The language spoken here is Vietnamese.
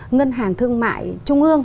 ngân hàng thương mại trung ương